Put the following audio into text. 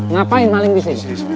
ngapain maling di sini